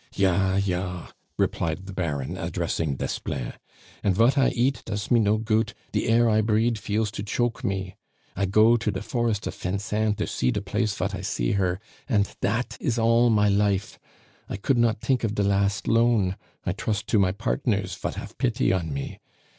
"Ja, ja," replied the Baron, addressing Desplein. "And vat I eat does me no goot, de air I breade feels to choke me. I go to de forest of Fincennes to see de place vat I see her and dat is all my life. I could not tink of de last loan I trust to my partners vat haf pity on me.